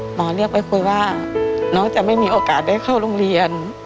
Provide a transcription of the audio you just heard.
หมอเรียกไปคุยว่าน้องจะไม่มีโอกาสได้เข้าโรงเรียน